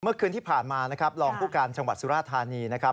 เมื่อคืนที่ผ่านมานะครับรองผู้การจังหวัดสุราธานีนะครับ